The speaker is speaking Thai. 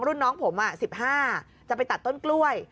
รุ่นน้องผม๑๕จะไปตัดต้นกล้วย